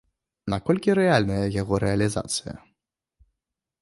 Наколькі рэальная яго рэалізацыя?